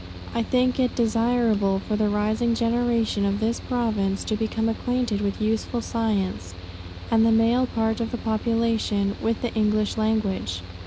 I think it desirable for the rising generation of this Province, to become acquainted with useful science; and the male part of the population, with the English language.